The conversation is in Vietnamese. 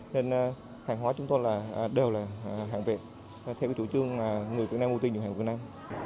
nên hàng hóa chúng tôi đều là hàng việt theo chủ trương người việt nam ưu tiên cho hàng việt nam